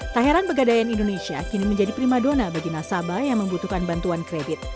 tahiran pegadaian indonesia kini menjadi primadona bagi nasabah yang membutuhkan bantuan kredit